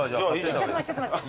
ちょっと待ってちょっと待って。